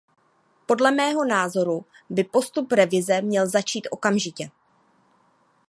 Podle mého názoru by postup revize měl začít okamžitě.